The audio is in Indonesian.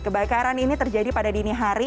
kebakaran ini terjadi pada dini hari